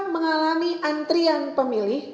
mengalami antrian pemilih